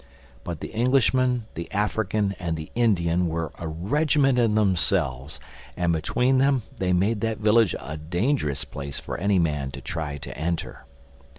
But the Englishman, the African and the Indian were a regiment in themselves; and between them they made that village a dangerous place for any man to try to enter.